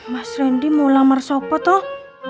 mas randy mau lamar sopet toh